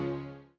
terima kasihgs mrs